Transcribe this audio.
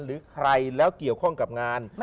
หรือใครแล้วเกี่ยวข้องกับงาน